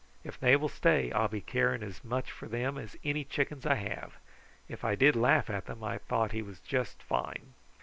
If they will stay, I'll be caring as much for them as any chickens I have. If I did laugh at them I thought he was just fine!"